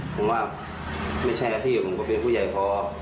เพราะว่าไม่ใช่พี่ผมก็เป็นผู้ใหญ่พอ